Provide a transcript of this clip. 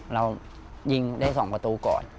เรายิงได้๒ประตูก่อน